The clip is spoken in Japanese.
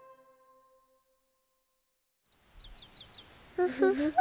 フフフフ。